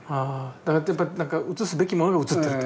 だからやっぱり何か写すべきものが写ってると。